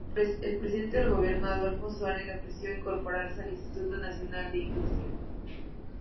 El presidente del gobierno, Adolfo Suárez, le ofreció incorporarse al Instituto Nacional de Industria.